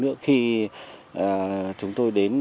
vì vậy khi chúng tôi đến